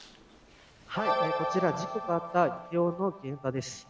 こちら、事故があった梨泰院の現場です。